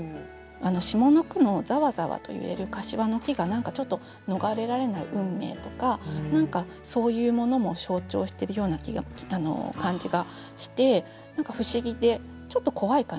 下の句のざわざわと揺れる柏の木が何かちょっと逃れられない運命とかそういうものも象徴してるような感じがして不思議でちょっと怖い感じもするかな。